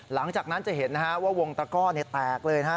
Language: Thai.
หลังจากนั้นจะเห็นว่าวงตะกร้อเนี่ยแตกเลยนะฮะ